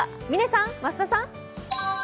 嶺さん、増田さん。